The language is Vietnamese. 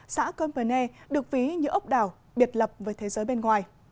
xã cơn vân e được ví như ốc đảo biệt lập với thế giới bên ngoài